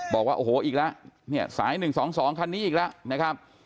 บอกว่าโอ้โหอีกแล้วเนี่ยสาย๑๒๒คันนี้อีกแล้วนะครับ